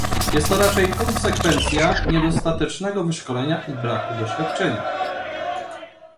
Jest to raczej konsekwencja niedostatecznego wyszkolenia i braku doświadczenia